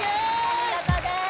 お見事です